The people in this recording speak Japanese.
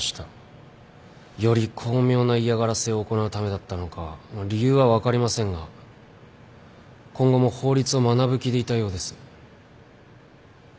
より巧妙な嫌がらせを行うためだったのか理由は分かりませんが今後も法律を学ぶ気でいたようです。